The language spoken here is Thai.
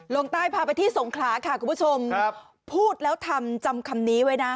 ลงใต้พาไปที่สงขลาค่ะคุณผู้ชมครับพูดแล้วทำจำคำนี้ไว้นะ